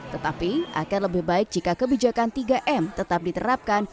tetapi akan lebih baik jika kebijakan tiga m tetap diterapkan